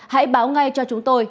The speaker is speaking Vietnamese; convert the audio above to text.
hãy báo ngay cho chúng tôi